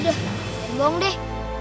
aduh jangan bohong deh